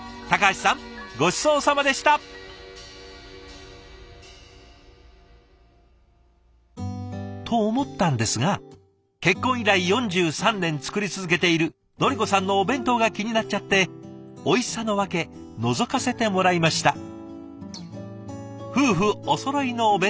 橋さんごちそうさまでした。と思ったんですが結婚以来４３年作り続けているのり子さんのお弁当が気になっちゃっておいしさの訳のぞかせてもらいました。